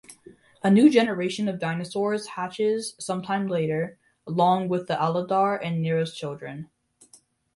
A new generation of dinosaurs hatches sometime later, along with Aladar and Neera's children.